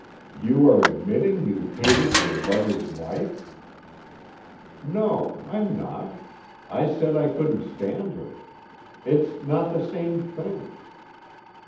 _ YOU ARE ADMITTING YOU HATED YOUR LOVER'S WIFE? _No, I'm not. I said I couldn't stand her. It's not the same thing.